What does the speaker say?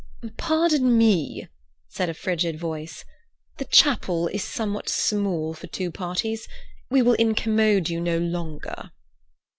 "Pardon me," said a frigid voice. "The chapel is somewhat small for two parties. We will incommode you no longer."